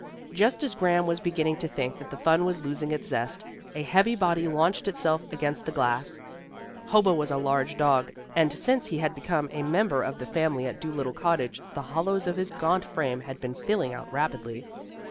Just as Graham was beginning to think that the fun was losing its zest, a heavy body launched itself against the glass. Hobo was a large dog, and since he had become a member of the family at Dolittle Cottage the hollows of his gaunt frame had been filling out rapidly.